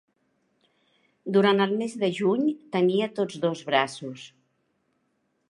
Durant el mes de juny tenia tots dos braços.